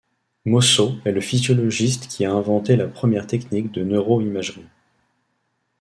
Mosso est le physiologiste qui a inventé la première technique de neuroimagerie.